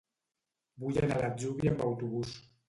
Vull anar a l'Atzúbia amb autobús.